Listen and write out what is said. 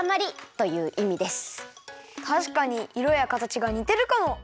たしかにいろやかたちがにてるかも！